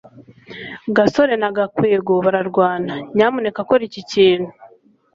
gasore na gakwego bararwana. nyamuneka kora ikintu